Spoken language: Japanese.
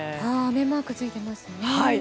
雨マークついていますね。